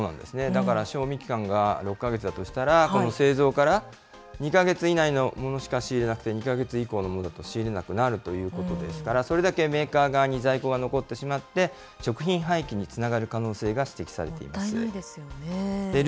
だから賞味期間が６か月だとしたら、製造から２か月以内のものしか仕入れなくて、２か月以降のものだと仕入れなくなるということですから、それだけメーカー側に在庫が残ってしまって、食品廃棄につながる可能性が指摘されていもったいないですね。